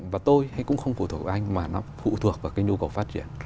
và tôi hay cũng không phụ thuộc anh mà nó phụ thuộc vào cái nhu cầu phát triển